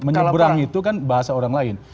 menyeberang itu kan bahasa orang lain